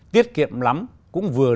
tiết kiệm lắm cũng vừa năng